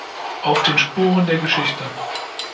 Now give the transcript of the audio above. Auf den Spuren der Geschichte.